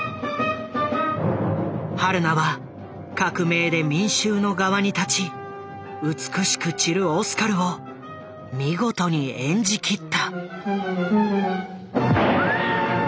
榛名は革命で民衆の側に立ち美しく散るオスカルを見事に演じ切った。